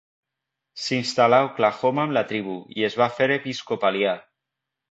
S'instal·là a Oklahoma amb la tribu i es va fer episcopalià.